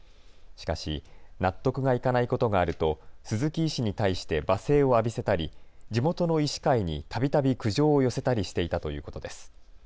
しかし、納得がいかないことがあると鈴木医師に対して罵声を浴びせたり地元の医師会にたびたび苦情を寄せたりしていたということです。